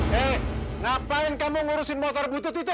hei ngapain kamu ngurusin motor butut itu